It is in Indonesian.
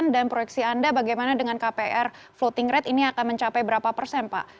dan proyeksi anda bagaimana dengan kpr floating rate ini akan mencapai berapa persen pak